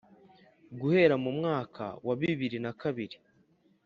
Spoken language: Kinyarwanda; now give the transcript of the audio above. guhera mu mwaka wa bibiri na kabiri